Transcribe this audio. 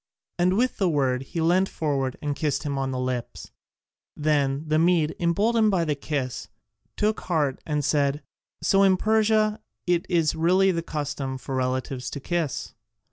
And with the word, he leant forward and kissed him on the lips. Then the Mede, emboldened by the kiss, took heart and said, "So in Persia it is really the custom for relatives to kiss?"